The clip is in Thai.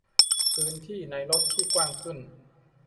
- พื้นที่ในรถที่กว้างขึ้น